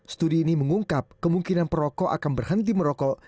studi ini mengungkap kemungkinan perokok akan berhenti merokok